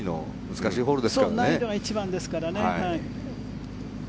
難易度が一番ですからね。